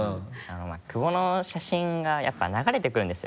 久保の写真がやっぱ流れてくるんですよ